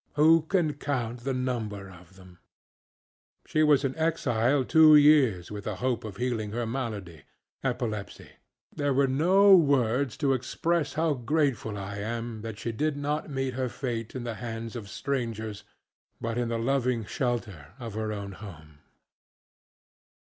Who can count the number of them? She was in exile two years with the hope of healing her maladyŌĆöepilepsy. There are no words to express how grateful I am that she did not meet her fate in the hands of strangers, but in the loving shelter of her own home.